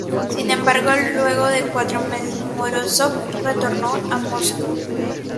Sin embargo, luego de cuatro meses, Morózov retornó a Moscú.